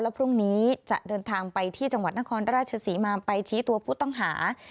พรุ่งนี้จะเดินทางไปที่จังหวัดนครราชศรีมาไปชี้ตัวผู้ต้องหา